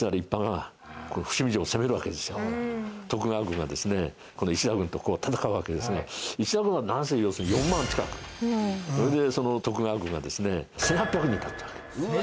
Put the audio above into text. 徳川軍がですね今度石田軍と戦うわけですが石田軍はなんせ要するに４万近くそれで徳川軍がですね１８００人だったわけです。